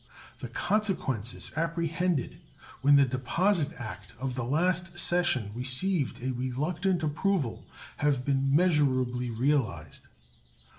The consequences apprehended when the deposit act of the last session received a reluctant approval have been measurably realized.